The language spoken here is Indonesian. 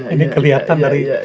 ini kelihatan dari